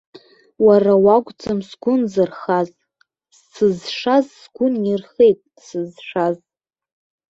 Уара уакәӡам сгәы нзырхаз, сызшаз сгәы нирхеит, сызшаз!